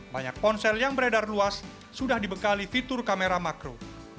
banyak ponsel yang beredar luas sudah dibekali fitur kamera makro